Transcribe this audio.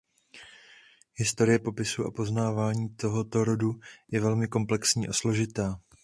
Historie popisu a poznávání tohoto rodu je velmi komplexní a složitá.